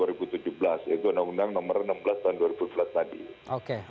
itu undang undang nomor enam belas tahun dua ribu tujuh belas tadi